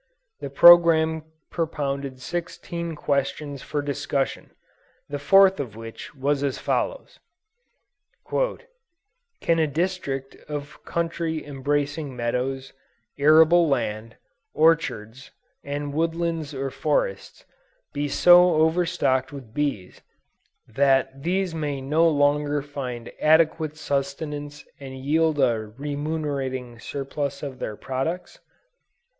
The programme propounded sixteen questions for discussion, the fourth of which was as follows: "Can a district of country embracing meadows, arable land, orchards, and woodlands or forests, be so overstocked with bees, that these may no longer find adequate sustenance and yield a remunerating surplus of their products?"